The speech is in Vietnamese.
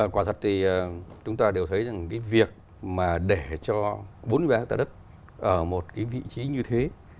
quả thật thì chúng ta đều thấy rằng cái việc mà để cho bốn mươi hectare đất ở một cái vị trí như thế